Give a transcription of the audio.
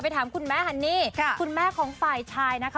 ถามคุณแม่ฮันนี่คุณแม่ของฝ่ายชายนะคะ